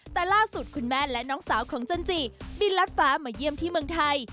แต่ล่าสุดคุณแม่และน้องสาวของจันจิบินลัดฟ้ามาเยี่ยมที่เมืองไทย